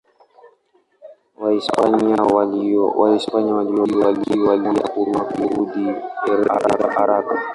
Wahispania waliobaki waliamua kurudi haraka.